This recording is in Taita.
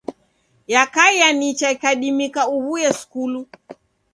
Yakaia nicha ikadimika uw'uye skulu.